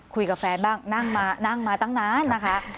คุยกับแฟนบ้างนั่งมาตั้งนานนะคะ